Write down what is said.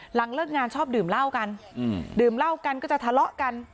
เลิกงานชอบดื่มเหล้ากันดื่มเหล้ากันก็จะทะเลาะกัน